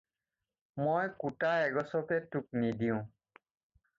মই কুটা এগছকে তোক নিদিওঁ।